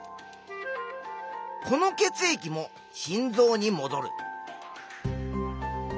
この血液も心臓にもどる。